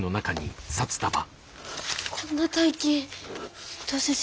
こんな大金伊藤先生